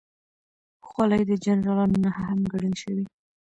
خولۍ د جنرالانو نښه هم ګڼل شوې.